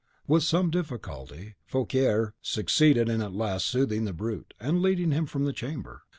With some difficulty Fouquier succeeded at last in soothing the brute, and leading him from the chamber.